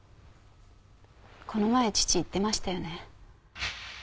この前父言ってましたよね。